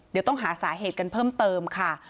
เดี๋ยวต้องหาสาเหตุกันเพิ่มเติมค่ะ